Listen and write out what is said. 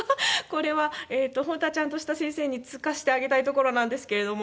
これは本当はちゃんとした先生に付かせてあげたいところなんですけれども。